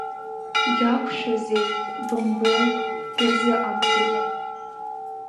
Иақәшәазеи, бымбои, ирзыҟамҵеит!